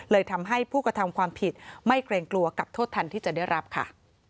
ทำให้ผู้กระทำความผิดไม่เกรงกลัวกับโทษทันที่จะได้รับค่ะ